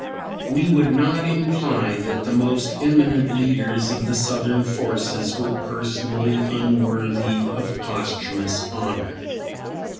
We would not imply that the most eminent leaders of the Southern forces were personally unworthy of posthumos honor.